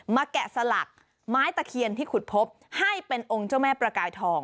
แกะสลักไม้ตะเคียนที่ขุดพบให้เป็นองค์เจ้าแม่ประกายทอง